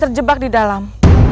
terjebak di dalam